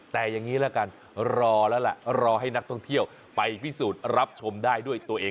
แต่อย่างนี้ละกันรอแล้วล่ะรอให้นักท่องเที่ยวไปพิสูจน์รับชมได้ด้วยตัวเอง